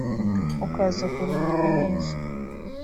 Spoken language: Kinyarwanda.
ukaza kuruhuka neza